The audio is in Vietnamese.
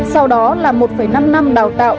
sau đó là một năm năm đào tạo